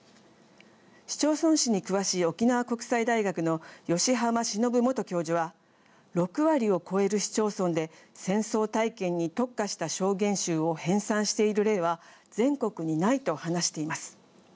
市町村史に詳しい沖縄国際大学の吉浜忍元教授は「６割を超える市町村で戦争体験に特化した証言集を編さんしている例は全国にない」と話しています。